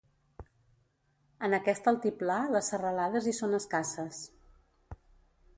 En aquest altiplà les serralades hi són escasses.